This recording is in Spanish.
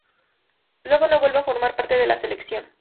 Luego no vuelve a formar parte de la selección.